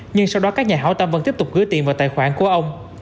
nhưng sau đó các nhà hảo tâm vẫn tiếp tục gửi tiền vào tài khoản của ông